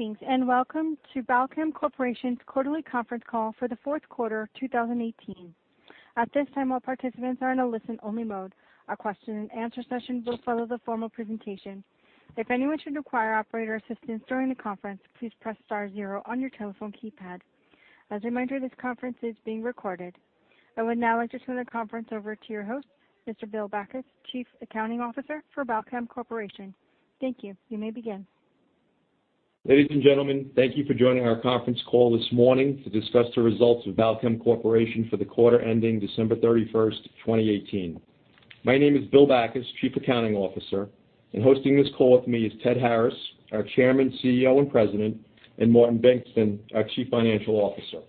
Greetings, and welcome to Balchem Corporation's quarterly conference call for the fourth quarter of 2018. At this time, all participants are in a listen-only mode. A question and answer session will follow the formal presentation. If anyone should require operator assistance during the conference, please press star zero on your telephone keypad. As a reminder, this conference is being recorded. I would now like to turn the conference over to your host, Mr. Bill Backus, Chief Accounting Officer for Balchem Corporation. Thank you. You may begin. Ladies and gentlemen, thank you for joining our conference call this morning to discuss the results of Balchem Corporation for the quarter ending December 31st, 2018. My name is Bill Backus, Chief Accounting Officer. Hosting this call with me is Ted Harris, our Chairman, CEO, and President, and Martin Bengtsson, our Chief Financial Officer.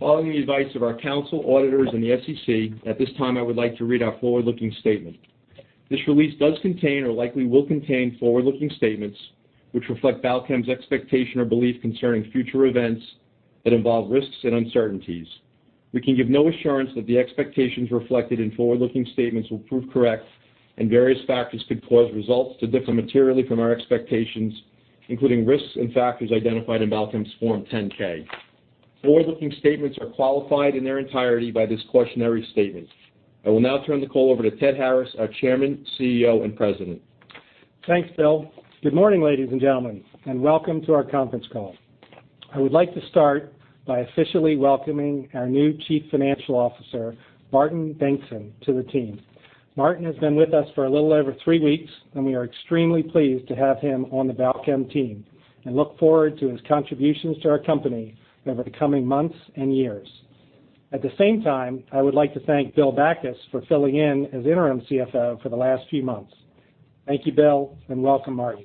Following the advice of our council, auditors, and the SEC, at this time, I would like to read our forward-looking statement. This release does contain or likely will contain forward-looking statements which reflect Balchem's expectation or belief concerning future events that involve risks and uncertainties. We can give no assurance that the expectations reflected in forward-looking statements will prove correct, and various factors could cause results to differ materially from our expectations, including risks and factors identified in Balchem's Form 10-K. Forward-looking statements are qualified in their entirety by this cautionary statement. I will now turn the call over to Ted Harris, our Chairman, CEO, and President. Thanks, Bill. Good morning, ladies and gentlemen, and welcome to our conference call. I would like to start by officially welcoming our new Chief Financial Officer, Martin Bengtsson, to the team. Martin has been with us for a little over three weeks, and we are extremely pleased to have him on the Balchem team and look forward to his contributions to our company over the coming months and years. At the same time, I would like to thank Bill Backus for filling in as interim CFO for the last few months. Thank you, Bill, and welcome, Martin.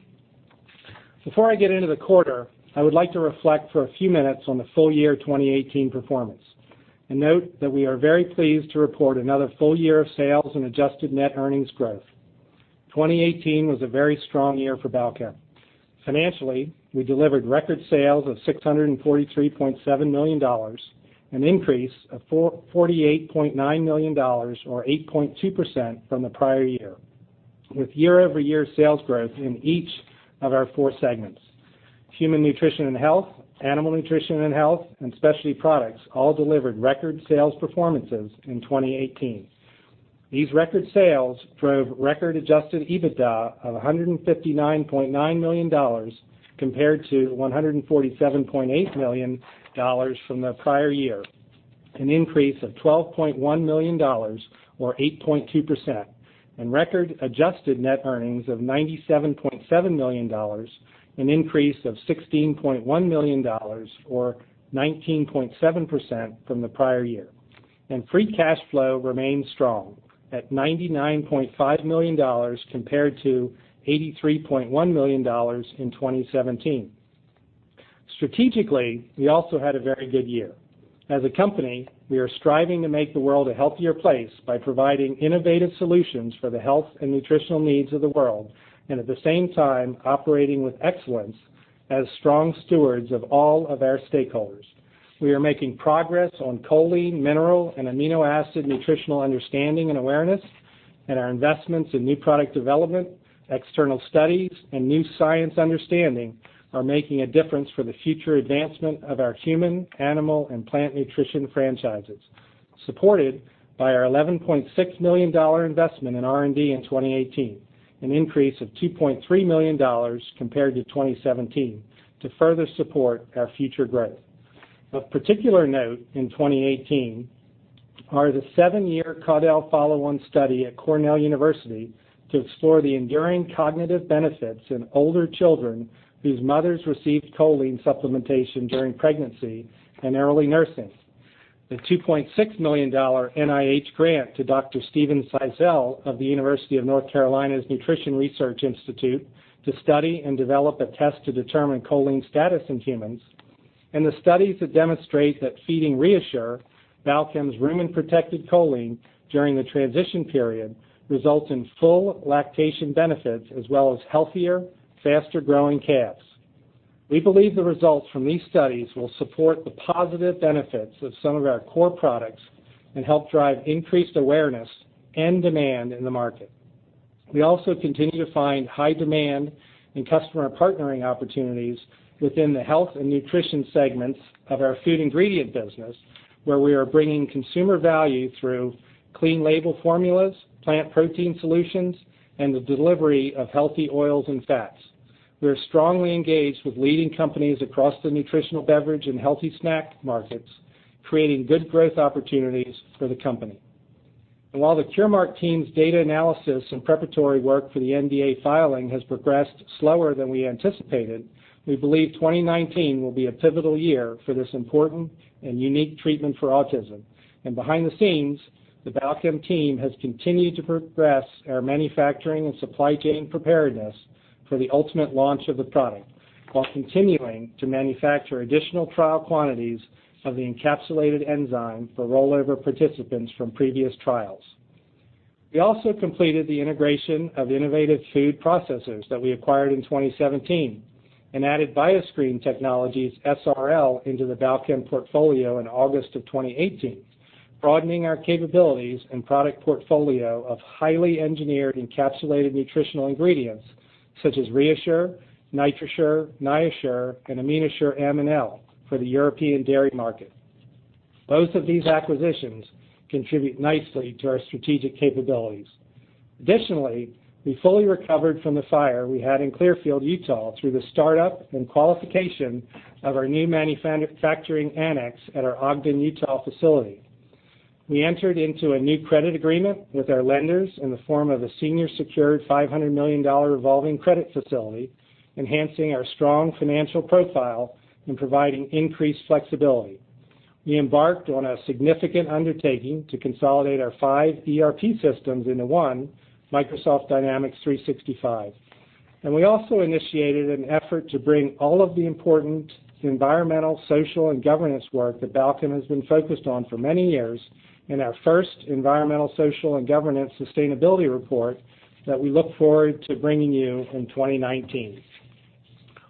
Before I get into the quarter, I would like to reflect for a few minutes on the full year 2018 performance and note that we are very pleased to report another full year of sales and adjusted net earnings growth. 2018 was a very strong year for Balchem. Financially, we delivered record sales of $643.7 million, an increase of $48.9 million, or 8.2% from the prior year, with year-over-year sales growth in each of our four segments. Human nutrition and health, animal nutrition and health, and specialty products all delivered record sales performances in 2018. These record sales drove record adjusted EBITDA of $159.9 million compared to $147.8 million from the prior year, an increase of $12.1 million, or 8.2%, and record adjusted net earnings of $97.7 million, an increase of $16.1 million, or 19.7% from the prior year. Free cash flow remains strong at $99.5 million compared to $83.1 million in 2017. Strategically, we also had a very good year. As a company, we are striving to make the world a healthier place by providing innovative solutions for the health and nutritional needs of the world and at the same time, operating with excellence as strong stewards of all of our stakeholders. We are making progress on choline, mineral, and amino acid nutritional understanding and awareness. Our investments in new product development, external studies, and new science understanding are making a difference for the future advancement of our human, animal, and plant nutrition franchises, supported by our $11.6 million investment in R&D in 2018, an increase of $2.3 million compared to 2017 to further support our future growth. Of particular note in 2018 are the seven-year CANDLE follow-on study at Cornell University to explore the enduring cognitive benefits in older children whose mothers received choline supplementation during pregnancy and early nursing. The $2.6 million NIH grant to Dr. Steven Zeisel of the University of North Carolina's Nutrition Research Institute to study and develop a test to determine choline status in humans, the studies that demonstrate that feeding ReaShure, Balchem's rumen-protected choline during the transition period, results in full lactation benefits as well as healthier, faster-growing calves. We believe the results from these studies will support the positive benefits of some of our core products and help drive increased awareness and demand in the market. We also continue to find high demand in customer partnering opportunities within the health and nutrition segments of our food ingredient business, where we are bringing consumer value through clean label formulas, plant protein solutions, and the delivery of healthy oils and fats. We are strongly engaged with leading companies across the nutritional beverage and healthy snack markets, creating good growth opportunities for the company. While the Curemark team's data analysis and preparatory work for the NDA filing has progressed slower than we anticipated, we believe 2019 will be a pivotal year for this important and unique treatment for autism. Behind the scenes, the Balchem team has continued to progress our manufacturing and supply chain preparedness for the ultimate launch of the product while continuing to manufacture additional trial quantities of the encapsulated enzyme for rollover participants from previous trials. We also completed the integration of Innovative Food Processors that we acquired in 2017 and added Bioscreen Technologies S.r.l. into the Balchem portfolio in August of 2018. Broadening our capabilities and product portfolio of highly engineered encapsulated nutritional ingredients such as ReaShure, NitroShure, NiaShure, and AminoShure M and L for the European dairy market. Both of these acquisitions contribute nicely to our strategic capabilities. Additionally, we fully recovered from the fire we had in Clearfield, Utah, through the startup and qualification of our new manufacturing annex at our Ogden, Utah facility. We entered into a new credit agreement with our lenders in the form of a senior secured $500 million revolving credit facility, enhancing our strong financial profile and providing increased flexibility. We embarked on a significant undertaking to consolidate our five ERP systems into one, Microsoft Dynamics 365. We also initiated an effort to bring all of the important environmental, social, and governance work that Balchem has been focused on for many years in our first environmental, social, and governance sustainability report that we look forward to bringing you in 2019.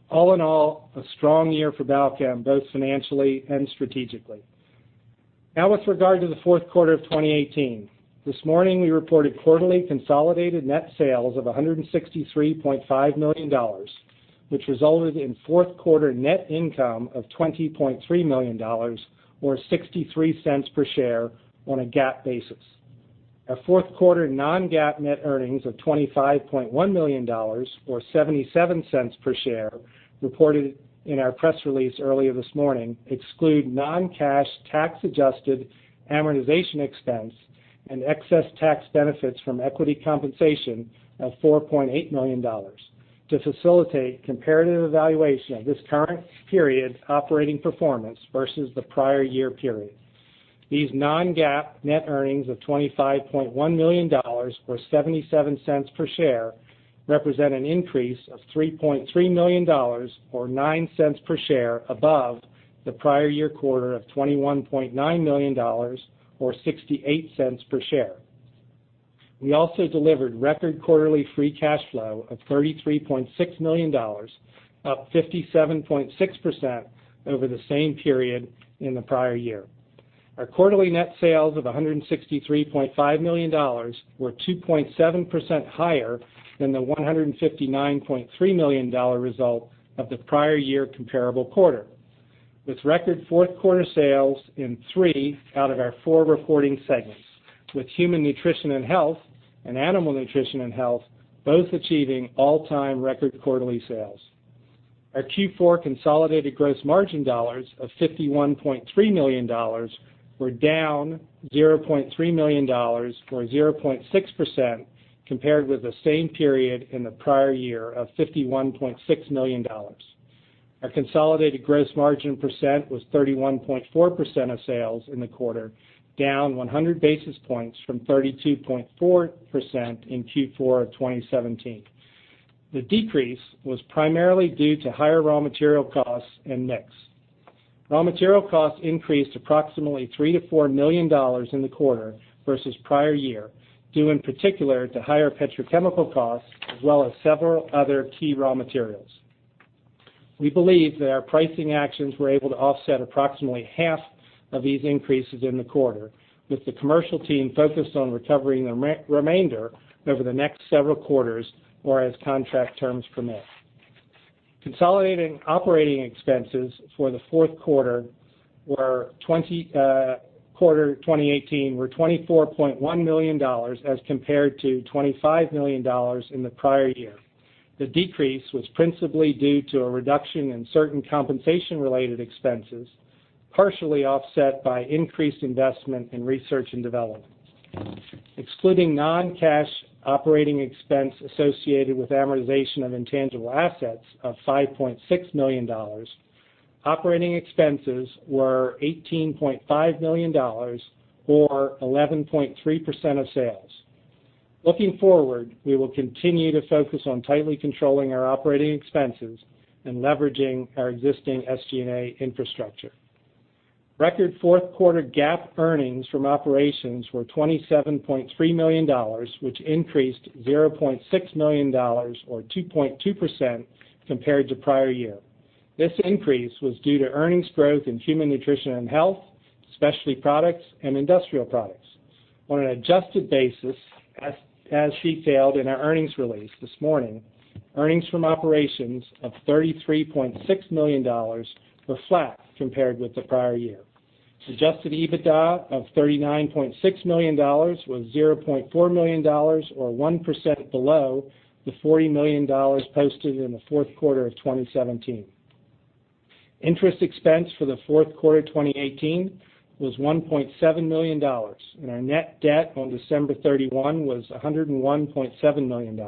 All in all, a strong year for Balchem, both financially and strategically. Now with regard to the fourth quarter of 2018, this morning, we reported quarterly consolidated net sales of $163.5 million, which resulted in fourth quarter net income of $20.3 million, or $0.63 per share on a GAAP basis. Our fourth quarter non-GAAP net earnings of $25.1 million or $0.77 per share, reported in our press release earlier this morning, exclude non-cash tax adjusted amortization expense and excess tax benefits from equity compensation of $4.8 million to facilitate comparative evaluation of this current period's operating performance versus the prior year period. These non-GAAP net earnings of $25.1 million or $0.77 per share represent an increase of $3.3 million or $0.09 per share above the prior year quarter of $21.9 million or $0.68 per share. We also delivered record quarterly free cash flow of $33.6 million, up 57.6% over the same period in the prior year. Our quarterly net sales of $163.5 million were 2.7% higher than the $159.3 million result of the prior year comparable quarter, with record fourth quarter sales in three out of our four reporting segments, with human nutrition and health and animal nutrition and health both achieving all-time record quarterly sales. Our Q4 consolidated gross margin dollars of $51.3 million were down $0.3 million or 0.6% compared with the same period in the prior year of $51.6 million. Our consolidated gross margin percent was 31.4% of sales in the quarter, down 100 basis points from 32.4% in Q4 of 2017. The decrease was primarily due to higher raw material costs and mix. Raw material costs increased approximately $3 million to $4 million in the quarter versus prior year, due in particular to higher petrochemical costs, as well as several other key raw materials. We believe that our pricing actions were able to offset approximately half of these increases in the quarter, with the commercial team focused on recovering the remainder over the next several quarters or as contract terms permit. Consolidating operating expenses for the fourth quarter 2018 were $24.1 million as compared to $25 million in the prior year. The decrease was principally due to a reduction in certain compensation-related expenses, partially offset by increased investment in research and development. Excluding non-cash operating expense associated with amortization of intangible assets of $5.6 million, operating expenses were $18.5 million or 11.3% of sales. Looking forward, we will continue to focus on tightly controlling our operating expenses and leveraging our existing SG&A infrastructure. Record fourth quarter GAAP earnings from operations were $27.3 million, which increased $0.6 million or 2.2% compared to prior year. This increase was due to earnings growth in human nutrition and health, specialty products, and industrial products. On an adjusted basis, as detailed in our earnings release this morning, earnings from operations of $33.6 million were flat compared with the prior year. Adjusted EBITDA of $39.6 million was $0.4 million, or 1% below the $40 million posted in the fourth quarter of 2017. Interest expense for the fourth quarter 2018 was $1.7 million, and our net debt on December 31 was $101.7 million.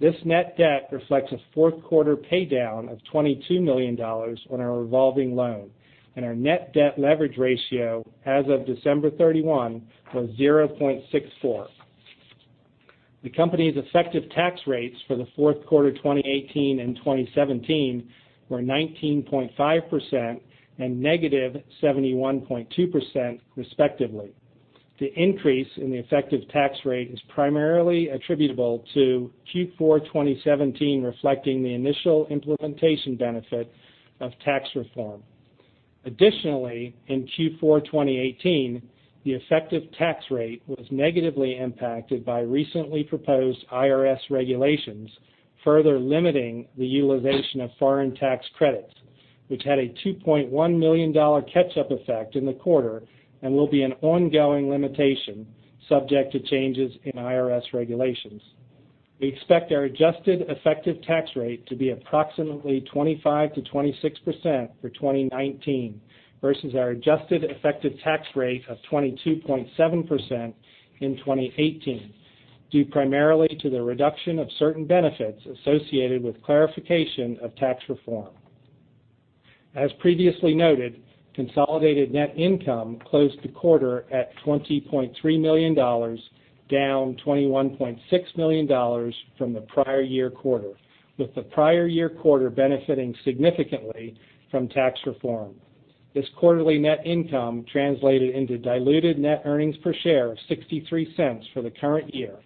This net debt reflects a fourth quarter paydown of $22 million on our revolving loan, and our net debt leverage ratio as of December 31 was 0.64. The company's effective tax rates for the fourth quarter 2018 and 2017 were 19.5% and negative 71.2%, respectively. The increase in the effective tax rate is primarily attributable to Q4 2017 reflecting the initial implementation benefit of tax reform. Additionally, in Q4 2018, the effective tax rate was negatively impacted by recently proposed IRS regulations, further limiting the utilization of foreign tax credits, which had a $2.1 million catch-up effect in the quarter and will be an ongoing limitation subject to changes in IRS regulations. We expect our adjusted effective tax rate to be approximately 25%-26% for 2019 versus our adjusted effective tax rate of 22.7% in 2018, due primarily to the reduction of certain benefits associated with clarification of tax reform. As previously noted, consolidated net income closed the quarter at $20.3 million, down $21.6 million from the prior year quarter, with the prior year quarter benefiting significantly from tax reform. This quarterly net income translated into diluted net earnings per share of $0.63 for the current year,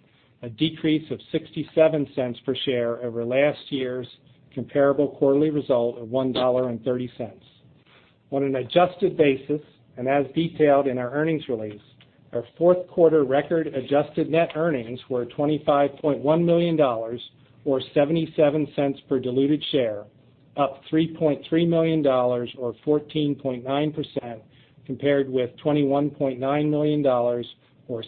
a decrease of $0.67 per share over last year's comparable quarterly result of $1.30. On an adjusted basis, and as detailed in our earnings release, our fourth quarter record adjusted net earnings were $25.1 million, or $0.77 per diluted share, up $3.3 million or 14.9% compared with $21.9 million or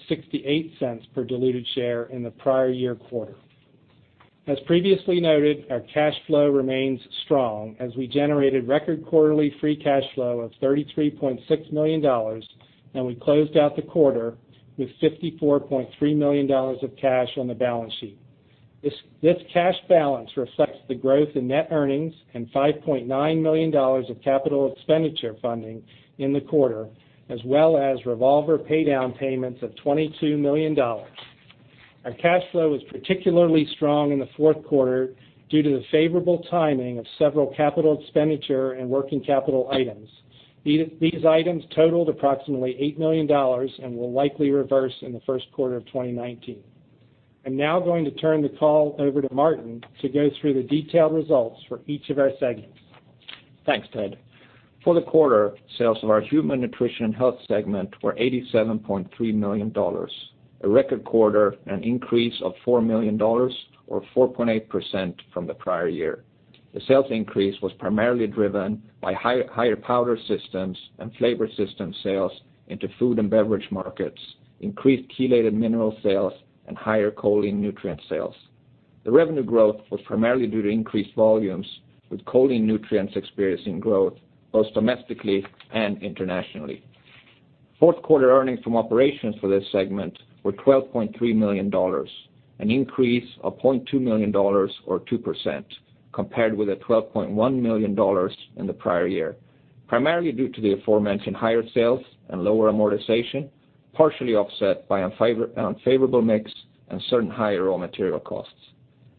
$0.68 per diluted share in the prior year quarter. As previously noted, our cash flow remains strong as we generated record quarterly free cash flow of $33.6 million, and we closed out the quarter with $54.3 million of cash on the balance sheet. This cash balance reflects the growth in net earnings and $5.9 million of capital expenditure funding in the quarter, as well as revolver paydown payments of $22 million. Our cash flow was particularly strong in the fourth quarter due to the favorable timing of several capital expenditure and working capital items. These items totaled approximately $8 million and will likely reverse in the first quarter of 2019. I'm now going to turn the call over to Martin to go through the detailed results for each of our segments. Thanks, Ted. For the quarter, sales of our Human Nutrition and Health segment were $87.3 million, a record quarter, an increase of $4 million or 4.8% from the prior year. The sales increase was primarily driven by higher powder systems and flavor system sales into food and beverage markets, increased chelated mineral sales, and higher choline nutrient sales. The revenue growth was primarily due to increased volumes, with choline nutrients experiencing growth both domestically and internationally. Fourth quarter earnings from operations for this segment were $12.3 million, an increase of $0.2 million or 2%, compared with $12.1 million in the prior year, primarily due to the aforementioned higher sales and lower amortization, partially offset by unfavorable mix and certain higher raw material costs.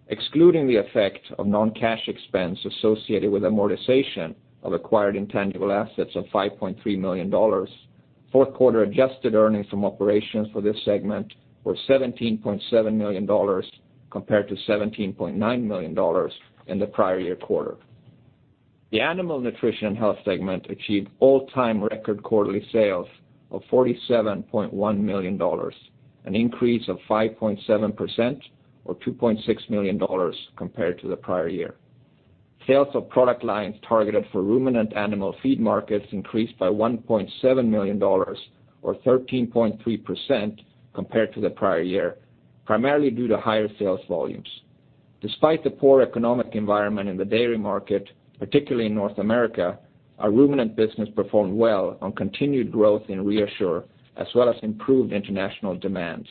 Excluding the effect of non-cash expense associated with amortization of acquired intangible assets of $5.3 million, fourth quarter adjusted earnings from operations for this segment were $17.7 million compared to $17.9 million in the prior year quarter. The Animal Nutrition and Health segment achieved all-time record quarterly sales of $47.1 million, an increase of 5.7% or $2.6 million compared to the prior year. Sales of product lines targeted for ruminant animal feed markets increased by $1.7 million or 13.3% compared to the prior year, primarily due to higher sales volumes. Despite the poor economic environment in the dairy market, particularly in North America, our ruminant business performed well on continued growth in ReaShure, as well as improved international demand.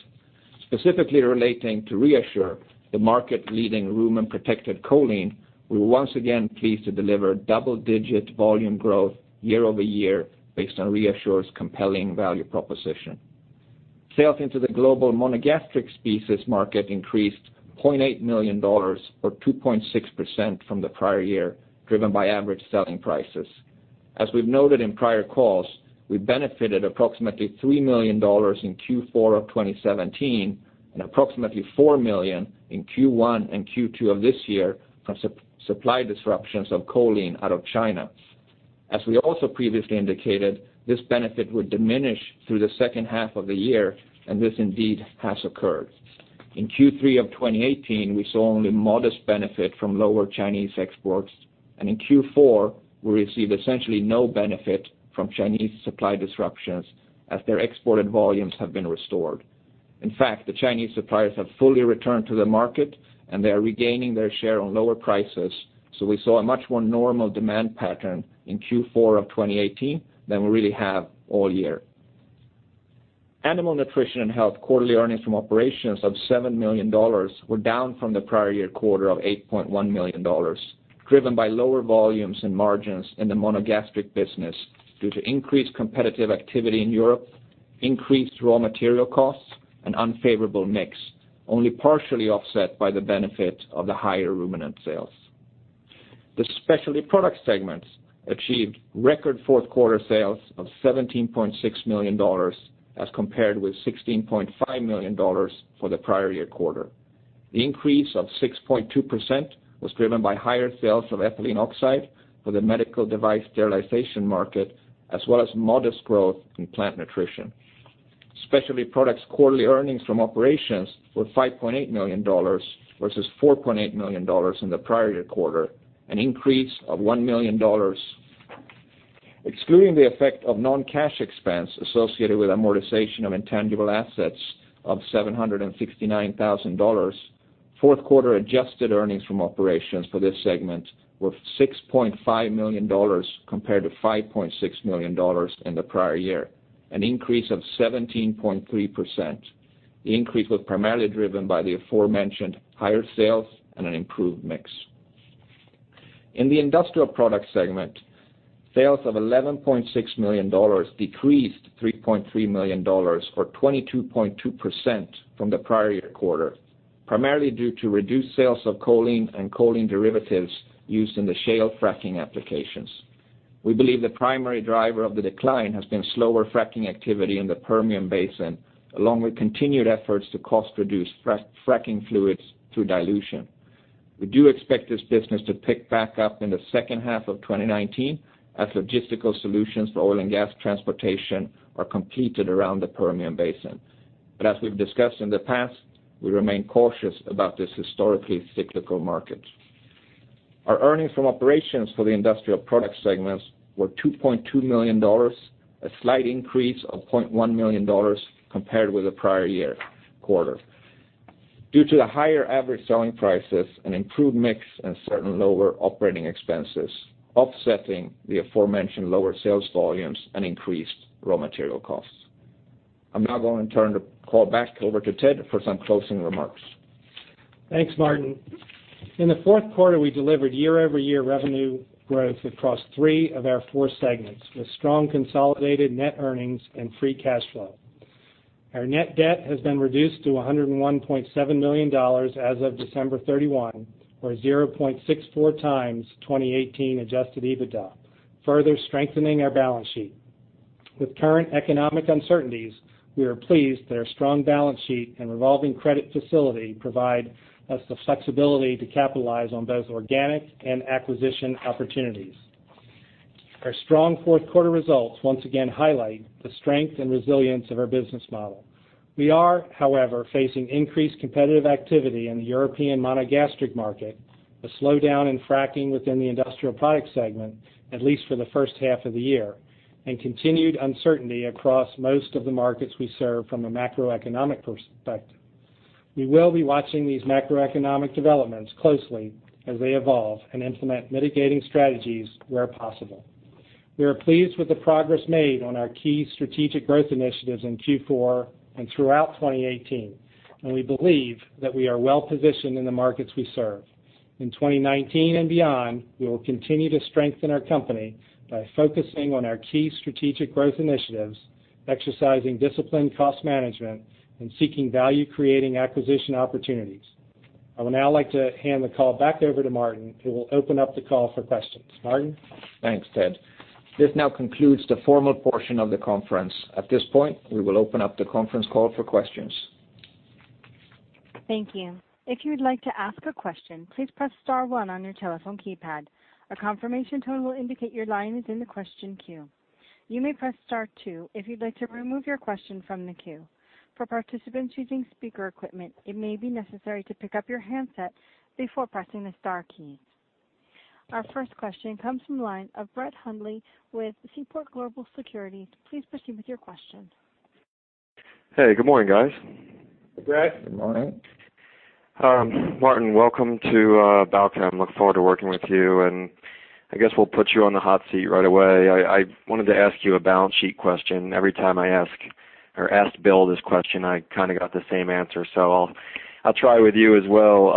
Specifically relating to ReaShure, the market leading rumen-protected choline, we were once again pleased to deliver double-digit volume growth year-over-year based on ReaShure's compelling value proposition. Sales into the global monogastric species market increased $0.8 million or 2.6% from the prior year, driven by average selling prices. As we've noted in prior calls, we benefited approximately $3 million in Q4 of 2017 and approximately $4 million in Q1 and Q2 of this year from supply disruptions of choline out of China. As we also previously indicated, this benefit would diminish through the second half of the year. This indeed has occurred. In Q3 of 2018, we saw only modest benefit from lower Chinese exports. In Q4, we received essentially no benefit from Chinese supply disruptions as their exported volumes have been restored. In fact, the Chinese suppliers have fully returned to the market, and they are regaining their share on lower prices. We saw a much more normal demand pattern in Q4 of 2018 than we really have all year. Animal Nutrition and Health quarterly earnings from operations of $7 million were down from the prior year quarter of $8.1 million, driven by lower volumes and margins in the monogastric business due to increased competitive activity in Europe, increased raw material costs, and unfavorable mix, only partially offset by the benefit of the higher ruminant sales. The Specialty Product segments achieved record fourth quarter sales of $17.6 million as compared with $16.5 million for the prior year quarter. The increase of 6.2% was driven by higher sales of ethylene oxide for the medical device sterilization market, as well as modest growth in plant nutrition. Specialty Products quarterly earnings from operations were $5.8 million, versus $4.8 million in the prior year quarter, an increase of $1 million. Excluding the effect of non-cash expense associated with amortization of intangible assets of $769,000, fourth quarter adjusted earnings from operations for this segment were $6.5 million, compared to $5.6 million in the prior year, an increase of 17.3%. The increase was primarily driven by the aforementioned higher sales and an improved mix. In the industrial product segment, sales of $11.6 million decreased $3.3 million, or 22.2% from the prior year quarter, primarily due to reduced sales of choline and choline derivatives used in the shale fracking applications. We believe the primary driver of the decline has been slower fracking activity in the Permian Basin, along with continued efforts to cost reduce fracking fluids through dilution. We do expect this business to pick back up in the second half of 2019 as logistical solutions for oil and gas transportation are completed around the Permian Basin. As we've discussed in the past, we remain cautious about this historically cyclical market. Our earnings from operations for the industrial product segments were $2.2 million, a slight increase of $0.1 million compared with the prior year quarter. Due to the higher average selling prices, an improved mix, and certain lower operating expenses offsetting the aforementioned lower sales volumes and increased raw material costs. I'm now going to turn the call back over to Ted for some closing remarks. Thanks, Martin. In the fourth quarter, we delivered year-over-year revenue growth across three of our four segments, with strong consolidated net earnings and free cash flow. Our net debt has been reduced to $101.7 million as of December 31, or 0.64 times 2018 adjusted EBITDA, further strengthening our balance sheet. With current economic uncertainties, we are pleased that our strong balance sheet and revolving credit facility provide us the flexibility to capitalize on both organic and acquisition opportunities. Our strong fourth quarter results once again highlight the strength and resilience of our business model. We are, however, facing increased competitive activity in the European monogastric market, a slowdown in fracking within the industrial products segment, at least for the first half of the year, and continued uncertainty across most of the markets we serve from a macroeconomic perspective. We will be watching these macroeconomic developments closely as they evolve and implement mitigating strategies where possible. We are pleased with the progress made on our key strategic growth initiatives in Q4 and throughout 2018, and we believe that we are well-positioned in the markets we serve. In 2019 and beyond, we will continue to strengthen our company by focusing on our key strategic growth initiatives, exercising disciplined cost management, and seeking value-creating acquisition opportunities. I would now like to hand the call back over to Martin, who will open up the call for questions. Martin? Thanks, Ted. This now concludes the formal portion of the conference. At this point, we will open up the conference call for questions. Thank you. If you would like to ask a question, please press *1 on your telephone keypad. A confirmation tone will indicate your line is in the question queue. You may press *2 if you'd like to remove your question from the queue. For participants using speaker equipment, it may be necessary to pick up your handset before pressing the star keys. Our first question comes from the line of Brett Hundley with Seaport Global Securities. Please proceed with your question. Hey, good morning, guys. Hey, Brett. Good morning. Look forward to working with you, I guess we'll put you on the hot seat right away. I wanted to ask you a balance sheet question. Every time I asked Bill this question, I kind of got the same answer. I'll try with you as well.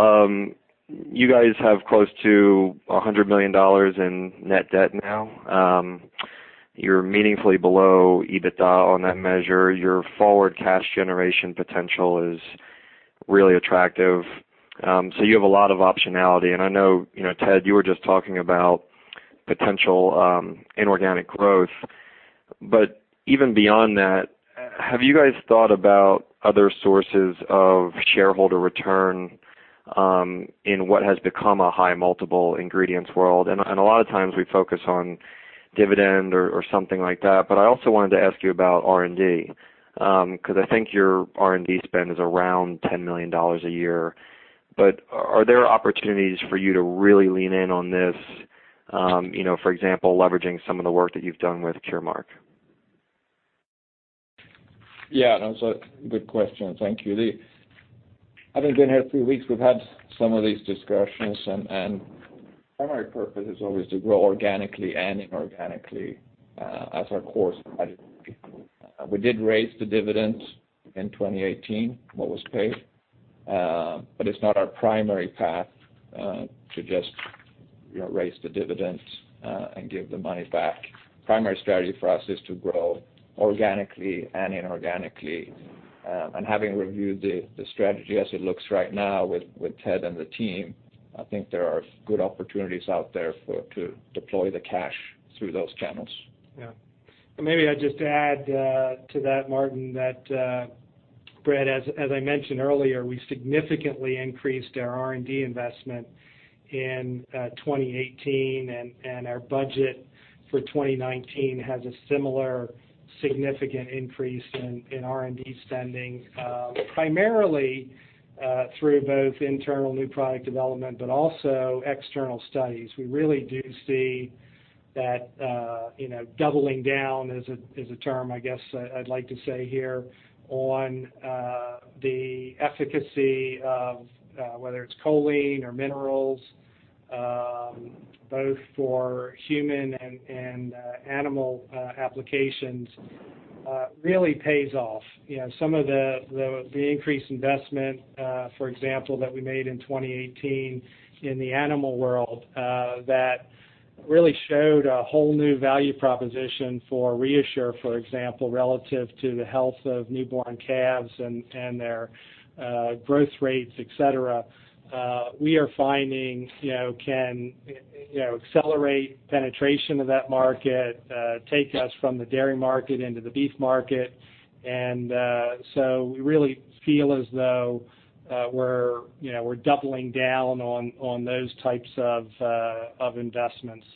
You guys have close to $100 million in net debt now. You're meaningfully below EBITDA on that measure. Your forward cash generation potential is really attractive. You have a lot of optionality, and I know Ted, you were just talking about potential inorganic growth. Even beyond that, have you guys thought about other sources of shareholder return in what has become a high multiple ingredients world? A lot of times, we focus on dividend or something like that, but I also wanted to ask you about R&D, because I think your R&D spend is around $10 million a year. Are there opportunities for you to really lean in on this, for example, leveraging some of the work that you've done with Curemark? Yeah, that's a good question. Thank you. I think in the last few weeks, we've had some of these discussions, and the primary purpose is always to grow organically and inorganically as our core strategy. We did raise the dividends in 2018, what was paid, but it's not our primary path to just raise the dividends and give the money back. Primary strategy for us is to grow organically and inorganically. Having reviewed the strategy as it looks right now with Ted and the team, I think there are good opportunities out there to deploy the cash through those channels. Yeah. Maybe I'd just add to that, Martin, that, Brett, as I mentioned earlier, we significantly increased our R&D investment in 2018, and our budget for 2019 has a similar significant increase in R&D spending, primarily through both internal new product development, but also external studies. We really do see that doubling down is a term, I guess, I'd like to say here, on the efficacy of whether it's choline or minerals, both for human and animal applications, really pays off. Some of the increased investment, for example, that we made in 2018 in the animal world, that really showed a whole new value proposition for ReaShure, for example, relative to the health of newborn calves and their growth rates, et cetera, we are finding can accelerate penetration of that market, take us from the dairy market into the beef market. We really feel as though we're doubling down on those types of investments.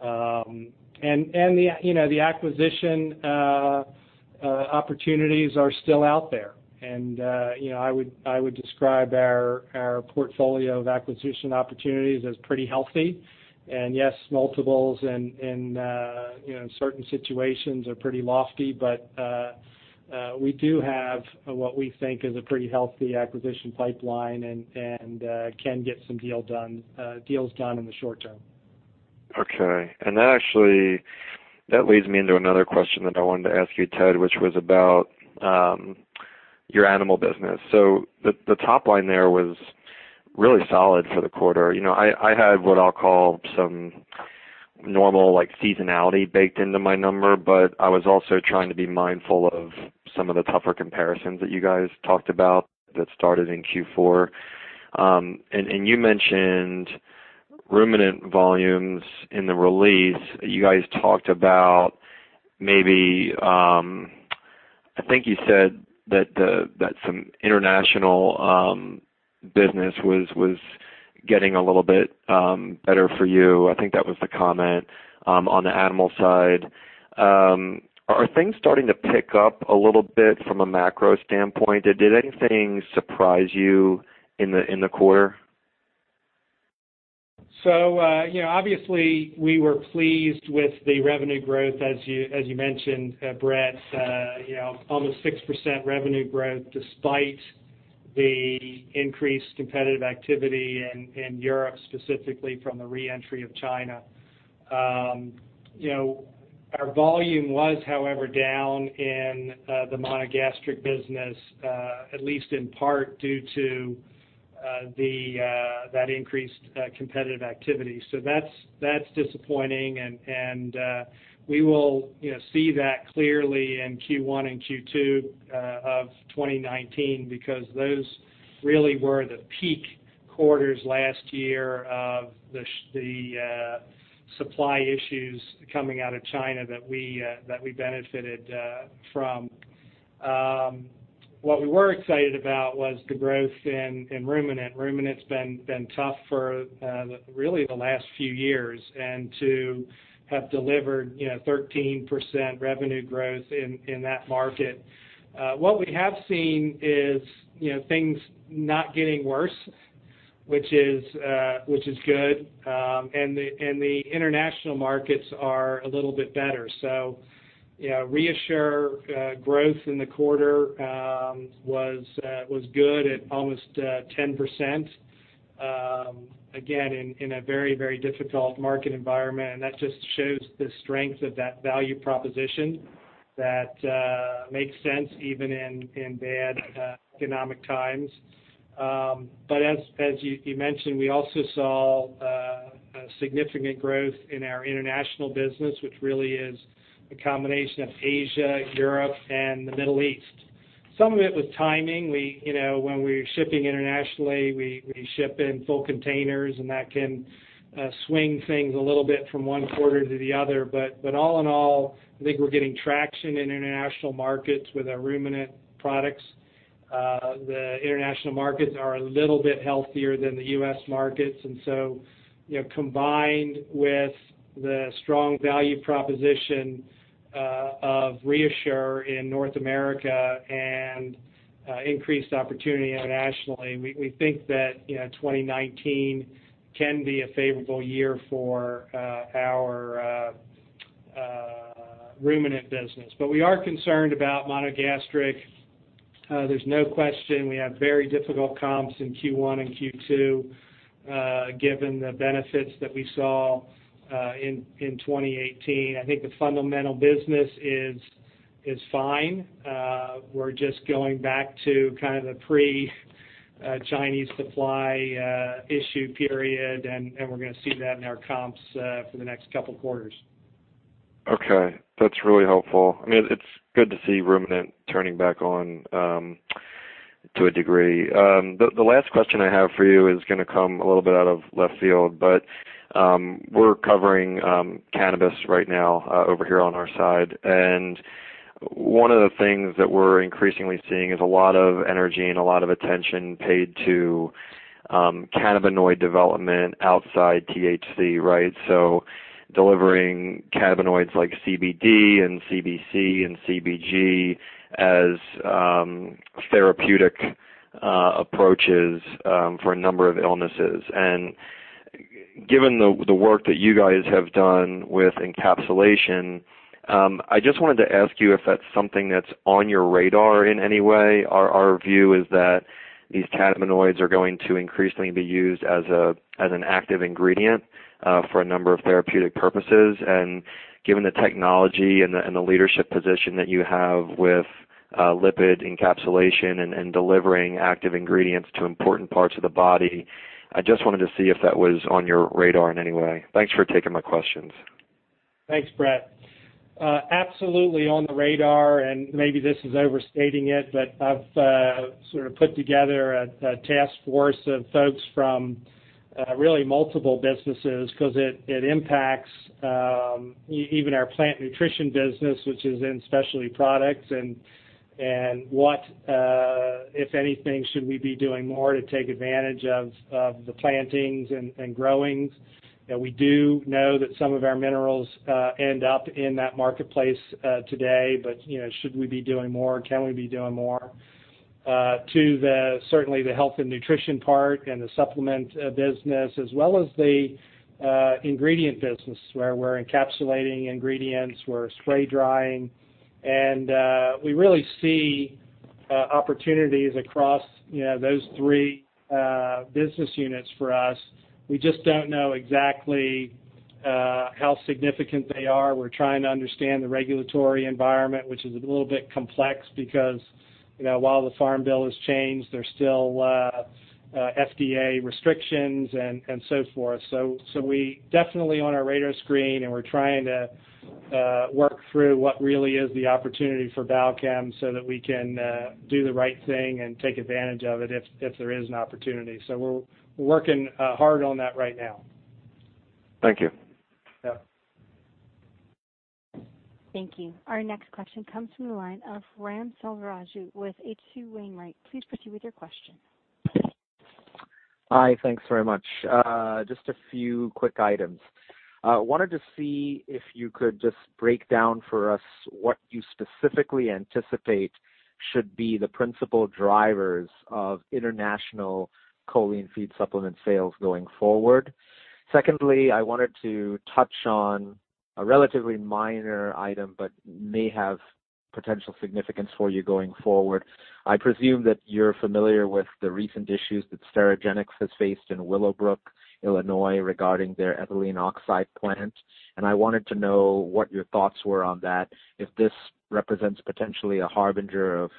The acquisition opportunities are still out there, and I would describe our portfolio of acquisition opportunities as pretty healthy. Yes, multiples in certain situations are pretty lofty, but we do have what we think is a pretty healthy acquisition pipeline and can get some deals done in the short term. Okay. That leads me into another question that I wanted to ask you, Ted, which was about your animal business. The top line there was really solid for the quarter. I had what I'll call some normal seasonality baked into my number, but I was also trying to be mindful of some of the tougher comparisons that you guys talked about that started in Q4. You mentioned ruminant volumes in the release. You guys talked about maybe, I think you said that some international business was getting a little bit better for you. I think that was the comment on the animal side. Are things starting to pick up a little bit from a macro standpoint? Did anything surprise you in the quarter? Obviously, we were pleased with the revenue growth, as you mentioned, Brett. Almost 6% revenue growth despite the increased competitive activity in Europe, specifically from the re-entry of China. Our volume was, however, down in the monogastric business, at least in part due to that increased competitive activity. That's disappointing, and we will see that clearly in Q1 and Q2 of 2019, because those really were the peak quarters last year of the supply issues coming out of China that we benefited from. What we were excited about was the growth in ruminant. Ruminant's been tough for really the last few years, and to have delivered 13% revenue growth in that market. What we have seen is things not getting worse, which is good. The international markets are a little bit better. ReaShure growth in the quarter was good at almost 10%, again, in a very difficult market environment, that just shows the strength of that value proposition that makes sense even in bad economic times. As you mentioned, we also saw significant growth in our international business, which really is a combination of Asia, Europe, and the Middle East. Some of it was timing. When we're shipping internationally, we ship in full containers, and that can swing things a little bit from one quarter to the other. All in all, I think we're getting traction in international markets with our ruminant products. The international markets are a little bit healthier than the U.S. markets. Combined with the strong value proposition of ReaShure in North America and increased opportunity internationally, we think that 2019 can be a favorable year for our ruminant business. We are concerned about monogastric. There's no question we have very difficult comps in Q1 and Q2, given the benefits that we saw in 2018. I think the fundamental business is fine. We're just going back to kind of the pre-Chinese supply issue period, we're going to see that in our comps for the next couple quarters. Okay. That's really helpful. It's good to see ruminant turning back on, to a degree. The last question I have for you is going to come a little bit out of left field, we're covering cannabis right now over here on our side. One of the things that we're increasingly seeing is a lot of energy and a lot of attention paid to cannabinoid development outside THC. Delivering cannabinoids like CBD and CBC and CBG as therapeutic approaches for a number of illnesses. Given the work that you guys have done with encapsulation, I just wanted to ask you if that's something that's on your radar in any way. Our view is that these cannabinoids are going to increasingly be used as an active ingredient for a number of therapeutic purposes. Given the technology and the leadership position that you have with lipid encapsulation and delivering active ingredients to important parts of the body, I just wanted to see if that was on your radar in any way. Thanks for taking my questions. Thanks, Brett. Absolutely on the radar, maybe this is overstating it, but I've sort of put together a task force of folks from multiple businesses because it impacts even our plant nutrition business, which is in specialty products. What, if anything, should we be doing more to take advantage of the plantings and growing? We do know that some of our minerals end up in that marketplace today. Should we be doing more? Can we be doing more? To the, certainly the health and nutrition part and the supplement business, as well as the ingredient business, where we're encapsulating ingredients, we're spray drying. We really see opportunities across those three business units for us. We just don't know exactly how significant they are. We're trying to understand the regulatory environment, which is a little bit complex because while the Farm Bill has changed, there's still FDA restrictions and so forth. Definitely on our radar screen, we're trying to work through what really is the opportunity for Balchem so that we can do the right thing and take advantage of it if there is an opportunity. We're working hard on that right now. Thank you. Yeah. Thank you. Our next question comes from the line of Ram Selvaraju with H.C. Wainwright. Please proceed with your question. Hi, thanks very much. Just a few quick items. Wanted to see if you could just break down for us what you specifically anticipate should be the principal drivers of international choline feed supplement sales going forward. Secondly, I wanted to touch on a relatively minor item, but may have potential significance for you going forward. I presume that you're familiar with the recent issues that Sterigenics has faced in Willowbrook, Illinois, regarding their ethylene oxide plant. I wanted to know what your thoughts were on that, if this represents potentially a harbinger of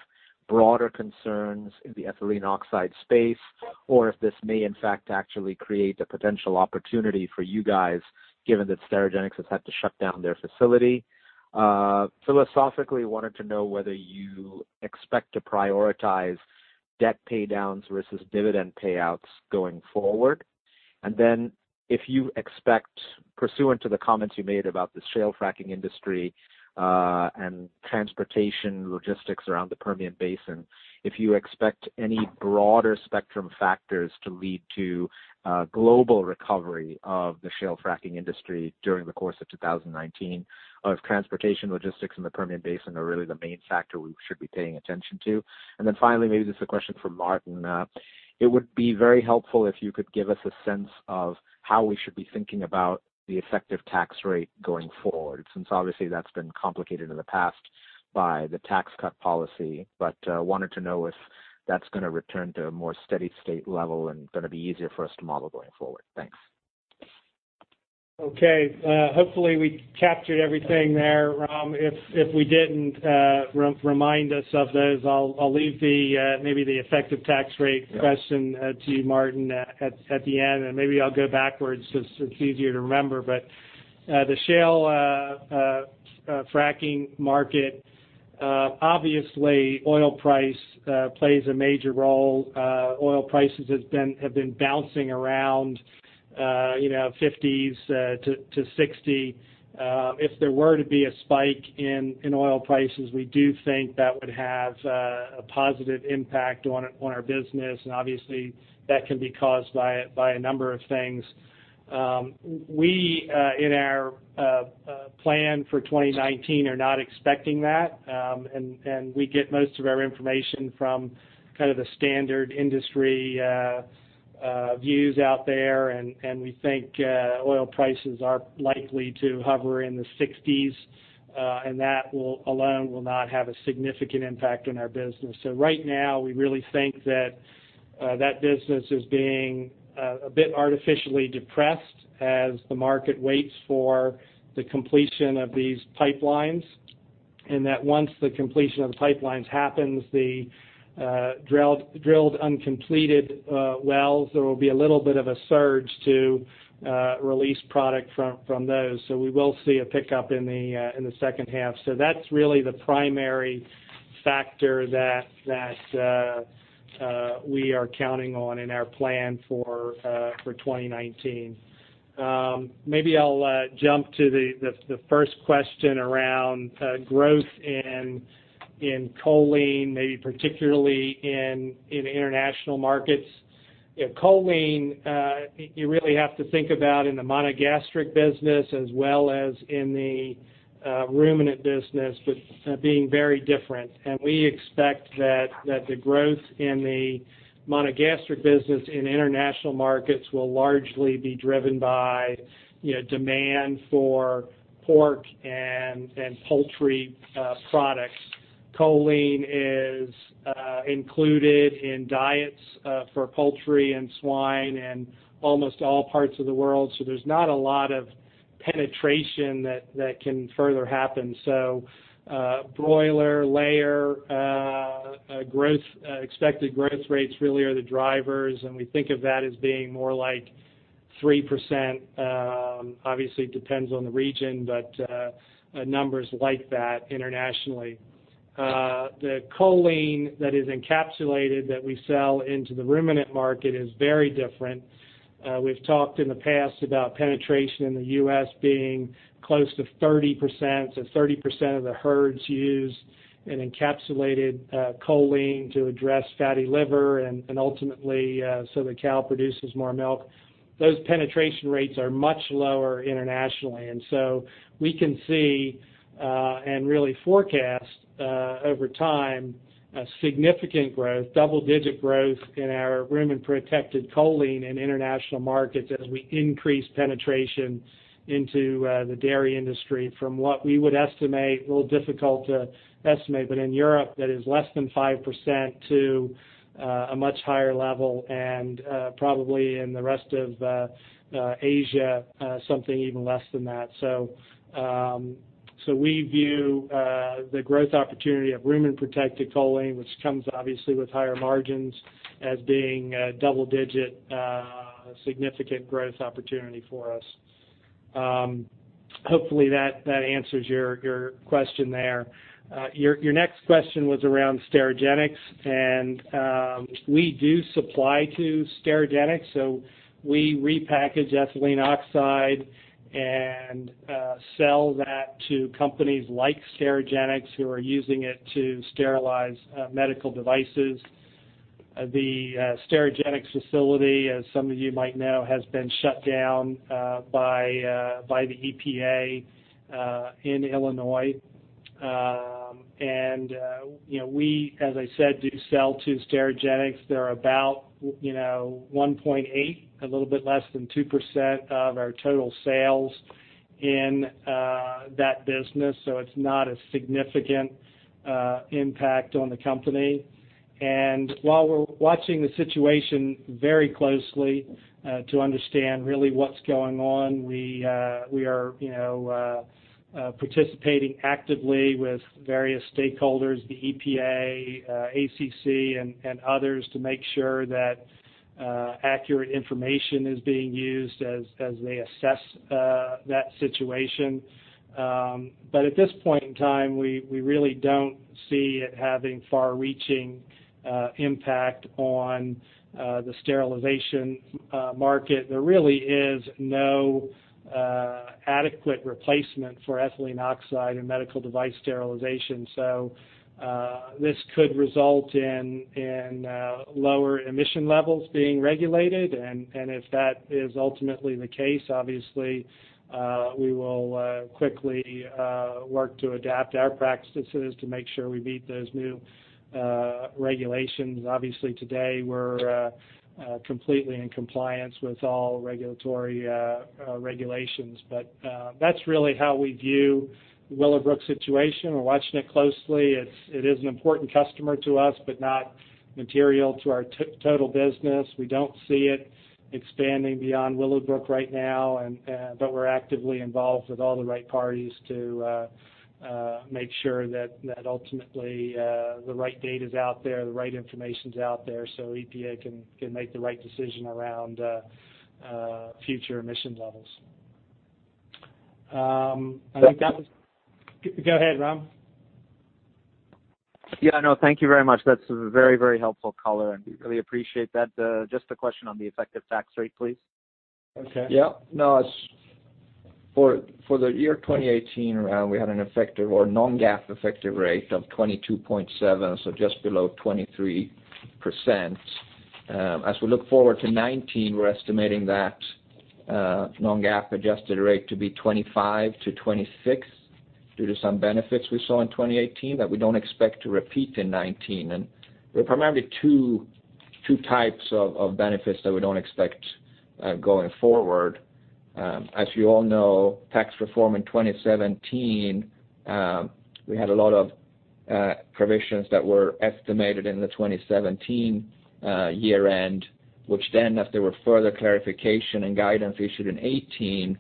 broader concerns in the ethylene oxide space, or if this may, in fact, actually create a potential opportunity for you guys, given that Sterigenics has had to shut down their facility. Philosophically, wanted to know whether you expect to prioritize debt paydowns versus dividend payouts going forward. If you expect, pursuant to the comments you made about the shale fracking industry, and transportation logistics around the Permian Basin, if you expect any broader spectrum factors to lead to global recovery of the shale fracking industry during the course of 2019, or if transportation logistics in the Permian Basin are really the main factor we should be paying attention to. Finally, maybe this is a question for Martin. It would be very helpful if you could give us a sense of how we should be thinking about the effective tax rate going forward, since obviously that's been complicated in the past by the tax cut policy. Wanted to know if that's going to return to a more steady state level and going to be easier for us to model going forward. Thanks. Okay. Hopefully, we captured everything there, Ram. If we didn't, remind us of those. I'll leave maybe the effective tax rate question to you, Martin, at the end. Maybe I'll go backwards since it's easier to remember. The shale fracking market, obviously, oil price plays a major role. Oil prices have been bouncing around 50s-60. If there were to be a spike in oil prices, we do think that would have a positive impact on our business. Obviously, that can be caused by a number of things. We, in our plan for 2019, are not expecting that. We get most of our information from kind of the standard industry views out there. We think oil prices are likely to hover in the 60s. That alone will not have a significant impact on our business. Right now, we really think that that business is being a bit artificially depressed as the market waits for the completion of these pipelines. That once the completion of the pipelines happens, the drilled uncompleted wells, there will be a little bit of a surge to release product from those. We will see a pickup in the second half. That's really the primary factor that we are counting on in our plan for 2019. Maybe I'll jump to the first question around growth in choline, maybe particularly in international markets. Choline, you really have to think about in the monogastric business as well as in the ruminant business, but being very different. We expect that the growth in the monogastric business in international markets will largely be driven by demand for pork and poultry products. Choline is included in diets for poultry and swine in almost all parts of the world. There's not a lot of penetration that can further happen. Broiler, layer, expected growth rates really are the drivers, and we think of that as being more like 3%. Obviously, it depends on the region, but numbers like that internationally. The choline that is encapsulated that we sell into the ruminant market is very different. We've talked in the past about penetration in the U.S. being close to 30%. 30% of the herds use an encapsulated choline to address fatty liver and ultimately, the cow produces more milk. Those penetration rates are much lower internationally. We can see, and really forecast, over time, a significant growth, double-digit growth in our rumen-protected choline in international markets as we increase penetration into the dairy industry from what we would estimate, a little difficult to estimate, but in Europe, that is less than 5% to a much higher level and probably in the rest of Asia, something even less than that. We view the growth opportunity of rumen-protected choline, which comes obviously with higher margins, as being a double-digit, significant growth opportunity for us. Hopefully, that answers your question there. Your next question was around Sterigenics. We do supply to Sterigenics. We repackage ethylene oxide and sell that to companies like Sterigenics who are using it to sterilize medical devices. The Sterigenics facility, as some of you might know, has been shut down by the EPA in Illinois. We, as I said, do sell to Sterigenics. They're about 1.8%, a little bit less than 2% of our total sales in that business. It's not a significant impact on the company. While we're watching the situation very closely to understand really what's going on, we are participating actively with various stakeholders, the EPA, ACC, and others to make sure that accurate information is being used as they assess that situation. At this point in time, we really don't see it having far-reaching impact on the sterilization market. There really is no adequate replacement for ethylene oxide in medical device sterilization. This could result in lower emission levels being regulated. If that is ultimately the case, obviously, we will quickly work to adapt our practices to make sure we meet those new regulations. Obviously, today, we're completely in compliance with all regulatory regulations. That's really how we view the Willowbrook situation. We're watching it closely. It is an important customer to us, but not material to our total business. We don't see it expanding beyond Willowbrook right now, but we're actively involved with all the right parties to make sure that ultimately, the right data's out there, the right information's out there, EPA can make the right decision around future emission levels. Go ahead, Ram. Yeah, no, thank you very much. That's a very helpful color, and we really appreciate that. Just a question on the effective tax rate, please. Okay. Yeah. For the year 2018, Ram, we had an effective or non-GAAP effective rate of 22.7%, so just below 23%. We look forward to 2019, we're estimating that non-GAAP adjusted rate to be 25%-26% due to some benefits we saw in 2018 that we don't expect to repeat in 2019. There are primarily 2 types of benefits that we don't expect going forward. As you all know, tax reform in 2017. We had a lot of provisions that were estimated in the 2017 year-end, which then, after there were further clarification and guidance issued in 2018,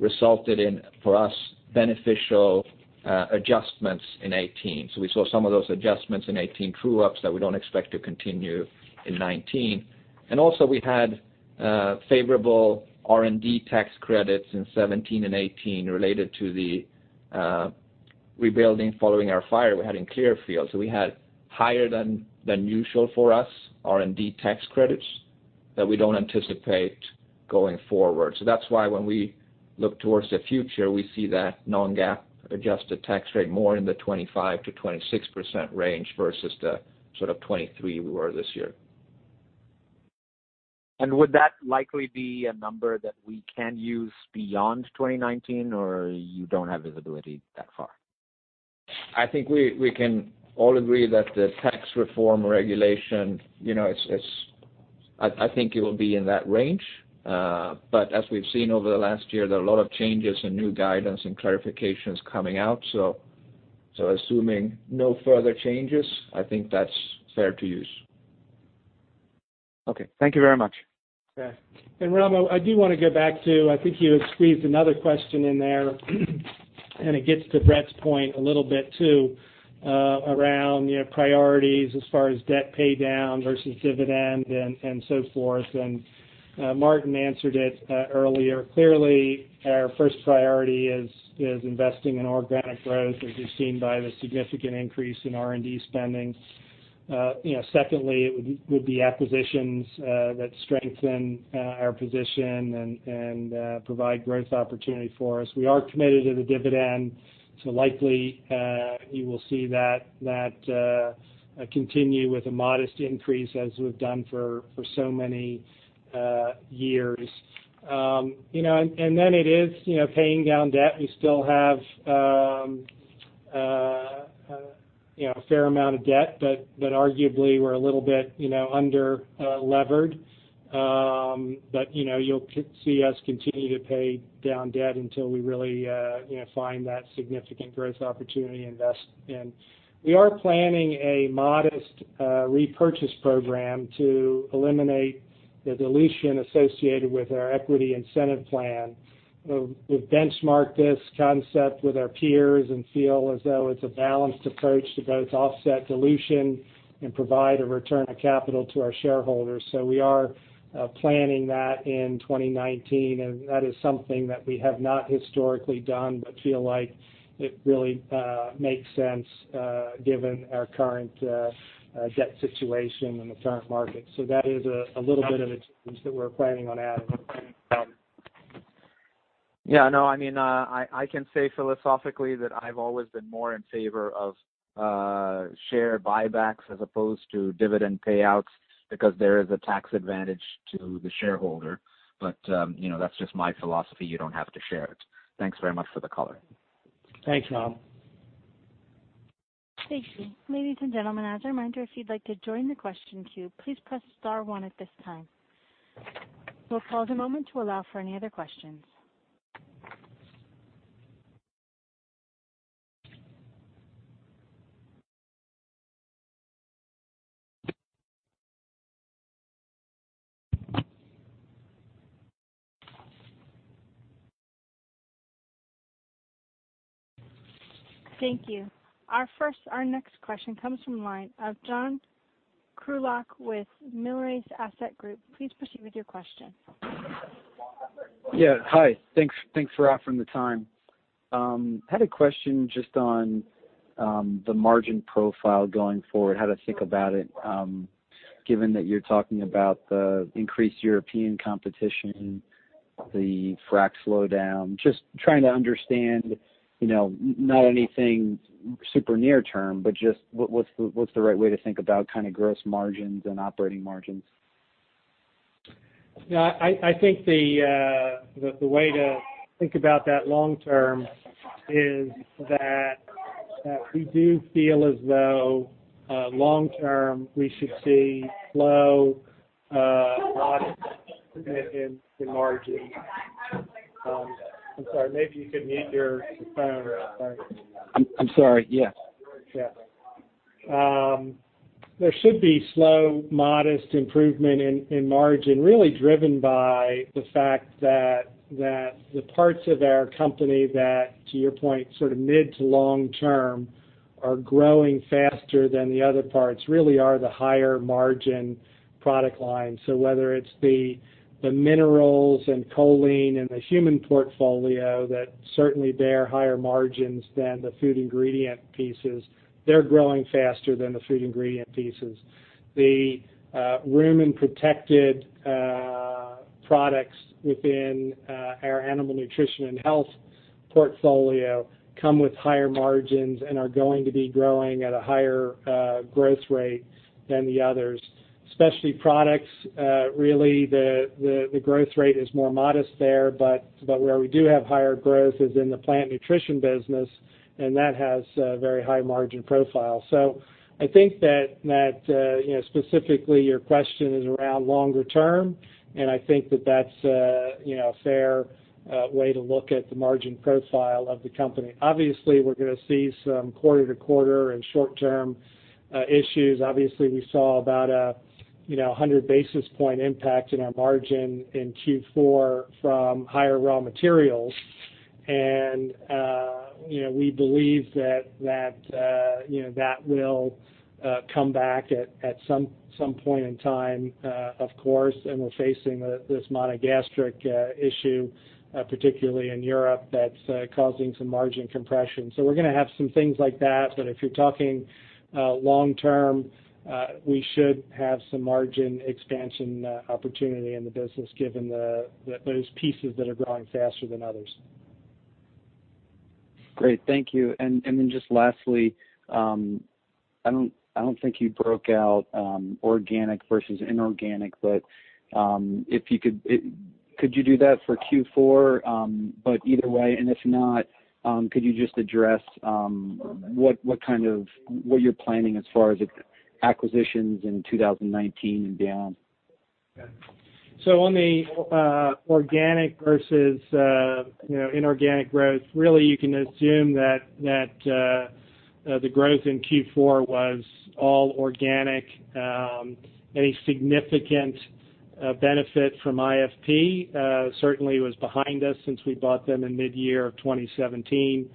resulted in, for us, beneficial adjustments in 2018. We saw some of those adjustments in 2018 true-ups that we don't expect to continue in 2019. Also, we had favorable R&D tax credits in 2017 and 2018 related to the rebuilding following our fire we had in Clearfield. We had higher than usual for us R&D tax credits that we don't anticipate going forward. That's why when we look towards the future, we see that non-GAAP adjusted tax rate more in the 25%-26% range versus the sort of 23% we were this year. Would that likely be a number that we can use beyond 2019, or you don't have visibility that far? I think we can all agree that the tax reform regulation, I think it will be in that range. As we've seen over the last year, there are a lot of changes and new guidance and clarifications coming out. Assuming no further changes, I think that's fair to use. Okay. Thank you very much. Okay. Ram, I do want to get back to, I think you had squeezed another question in there, and it gets to Brett's point a little bit, too, around priorities as far as debt pay down versus dividend and so forth, and Martin answered it earlier. Clearly, our first priority is investing in organic growth, as you've seen by the significant increase in R&D spending. Secondly, it would be acquisitions that strengthen our position and provide growth opportunity for us. We are committed to the dividend, likely, you will see that continue with a modest increase as we've done for so many years. Then it is paying down debt. We still have a fair amount of debt, arguably, we're a little bit under-levered. You'll see us continue to pay down debt until we really find that significant growth opportunity to invest in. We are planning a modest repurchase program to eliminate the dilution associated with our equity incentive plan. We've benchmarked this concept with our peers and feel as though it's a balanced approach to both offset dilution and provide a return of capital to our shareholders. We are planning that in 2019, that is something that we have not historically done feel like it really makes sense given our current debt situation in the current market. That is a little bit of that we're planning on adding. Yeah, no, I can say philosophically that I've always been more in favor of share buybacks as opposed to dividend payouts because there is a tax advantage to the shareholder. But that's just my philosophy. You don't have to share it. Thanks very much for the color. Thanks, Ram. Thank you. Ladies and gentlemen, as a reminder, if you'd like to join the question queue, please press star one at this time. We'll pause a moment to allow for any other questions. Thank you. Our next question comes from the line of John Krulock with Millrace Asset Group. Please proceed with your question. Yeah. Hi. Thanks for offering the time. Had a question just on the margin profile going forward, how to think about it, given that you're talking about the increased European competition, the frack slowdown. Just trying to understand, not anything super near term, but just what's the right way to think about gross margins and operating margins? I think the way to think about that long term is that we do feel as though long term, we should see slow, modest improvements in margin. I'm sorry, maybe you can mute your phone. I'm sorry. Yes. There should be slow, modest improvement in margin, really driven by the fact that the parts of our company that, to your point, mid to long term are growing faster than the other parts really are the higher margin product lines. Whether it's the minerals and choline and the human portfolio that certainly bear higher margins than the food ingredient pieces, they're growing faster than the food ingredient pieces. The rumen-protected products within our animal nutrition and health portfolio come with higher margins and are going to be growing at a higher growth rate than the others. Specialty products, really the growth rate is more modest there, but where we do have higher growth is in the plant nutrition business, and that has a very high margin profile. I think that specifically your question is around longer term, and I think that that's a fair way to look at the margin profile of the company. Obviously, we're going to see some quarter-to-quarter and short term issues. Obviously, we saw about a 100 basis point impact in our margin in Q4 from higher raw materials. We believe that will come back at some point in time, of course, and we're facing this monogastric issue, particularly in Europe, that's causing some margin compression. We're going to have some things like that. If you're talking long-term, we should have some margin expansion opportunity in the business given those pieces that are growing faster than others. Great. Thank you. Then just lastly, I don't think you broke out organic versus inorganic, could you do that for Q4? Either way, if not, could you just address what you're planning as far as acquisitions in 2019 and beyond? On the organic versus inorganic growth, really you can assume that the growth in Q4 was all organic. Any significant benefit from IFP certainly was behind us since we bought them in mid-year of 2017.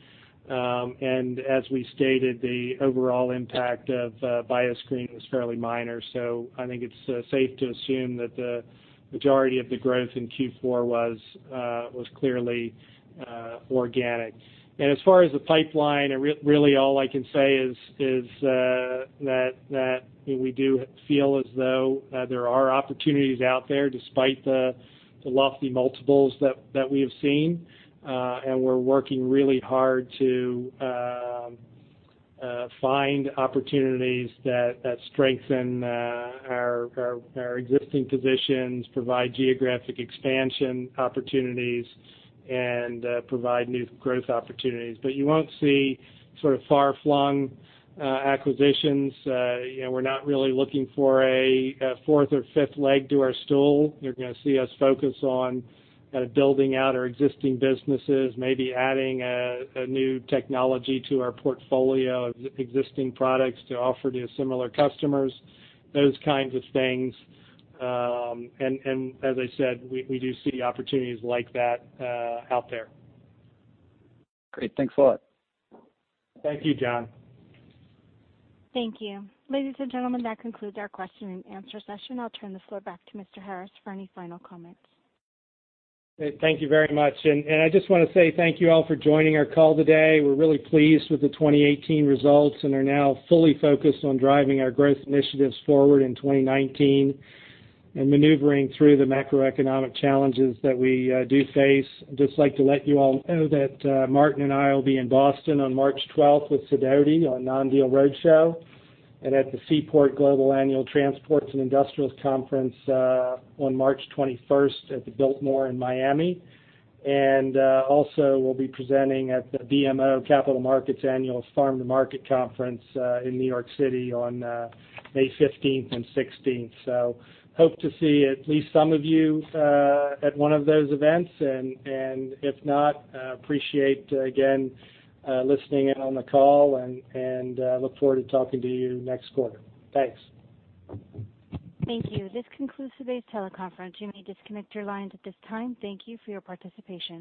As we stated, the overall impact of Bioscreen was fairly minor. I think it's safe to assume that the majority of the growth in Q4 was clearly organic. As far as the pipeline, really all I can say is that we do feel as though there are opportunities out there despite the lofty multiples that we have seen. We're working really hard to find opportunities that strengthen our existing positions, provide geographic expansion opportunities, and provide new growth opportunities. You won't see far-flung acquisitions. We're not really looking for a fourth or fifth leg to our stool. You're going to see us focus on building out our existing businesses, maybe adding a new technology to our portfolio of existing products to offer to similar customers, those kinds of things. As I said, we do see opportunities like that out there. Great. Thanks a lot. Thank you, John. Thank you. Ladies and gentlemen, that concludes our question and answer session. I'll turn the floor back to Mr. Harris for any final comments. Great. Thank you very much. I just want to say thank you all for joining our call today. We're really pleased with the 2018 results and are now fully focused on driving our growth initiatives forward in 2019 and maneuvering through the macroeconomic challenges that we do face. I'd just like to let you all know that Martin and I will be in Boston on March 12th with Sidoti on Non-Deal Roadshow, and at the Seaport Global Annual Transports and Industrials Conference on March 21st at the Biltmore in Miami. Also we'll be presenting at the BMO Capital Markets Annual Farm to Market Conference in New York City on May 15th and 16th. Hope to see at least some of you at one of those events, and if not, appreciate again listening in on the call and look forward to talking to you next quarter. Thanks. Thank you. This concludes today's teleconference. You may disconnect your lines at this time. Thank you for your participation.